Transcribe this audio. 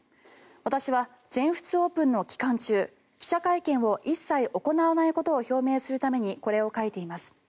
私は全仏オープンの期間中記者会見を一切行わないことを表明するためにこれを書いています。